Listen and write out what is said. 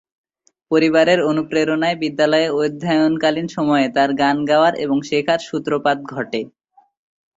পরিবারের অনুপ্রেরণায় বিদ্যালয়ে অধ্যয়নকালীন সময়ে তার গান গাওয়ার এবং শেখার সূত্রপাত ঘটে।